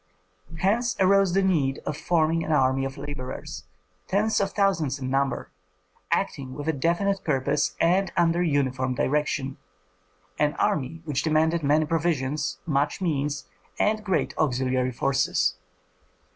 Hence arose the need of forming an army of laborers, tens of thousands in number, acting with a definite purpose and under uniform direction, an army which demanded many provisions, much means, and great auxiliary forces.